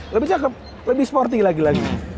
lebih cakep lebih sporty lagi lagi